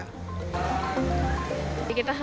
kita harus ya karena walaupun merasanya sesak ya